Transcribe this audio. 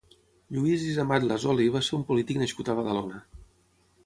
Lluís Ysamat Lazzoli va ser un polític nascut a Badalona.